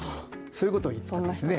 そういうことを言ったんですね。